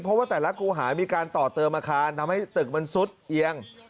เพราะว่าแต่ละครูหามีการต่อเติมอาคารทำให้ตึกมันซุดเอียง